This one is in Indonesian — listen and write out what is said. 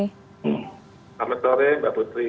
selamat sore mbak putri